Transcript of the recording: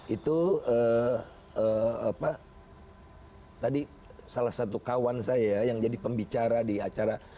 itu apa tadi salah satu kawan saya yang jadi pembicara di acara